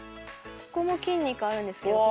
ここも筋肉あるんですけど。